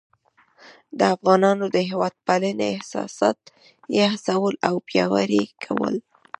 د افغانانو د هیواد پالنې احساسات یې هڅول او پیاوړي یې کول.